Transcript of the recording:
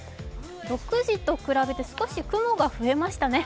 ６時と比べて少し雲が増えましたね。